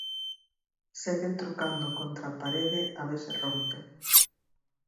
Seguen trucando contra a parede a ver se rompe.